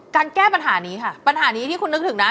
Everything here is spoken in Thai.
การแก้ปัญหานี้ค่ะปัญหานี้ที่คุณนึกถึงนะ